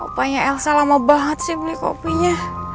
banyak elsa lama banget sih beli kopinya